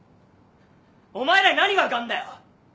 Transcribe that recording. お前らに何が分かんだよ！